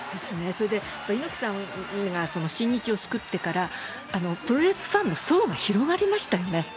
それで、やっぱり猪木さんが新日を作ってから、プロレスファンの層が広がりましたよね。